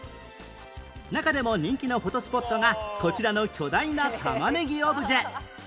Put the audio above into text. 中でも人気のフォトスポットがこちらの巨大なたまねぎオブジェ